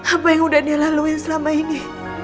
apa yang udah dia laluin selama ini